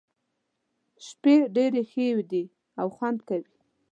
شپې ډېرې ښې دي او خوند کوي.